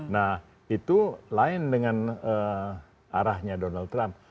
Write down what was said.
nah itu lain dengan arahnya donald trump